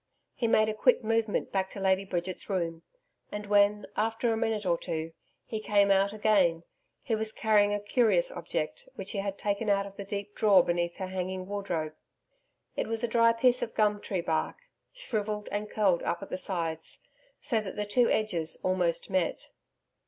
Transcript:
He made a quick movement back to Lady Bridget's room; and when, after a minute or two, he came out again, he was carrying a curious object which he had taken out of the deep drawer beneath her hanging wardrobe. It was a dry piece of gum tree bark, shrivelled and curled up at the sides, so that the two edges almost met.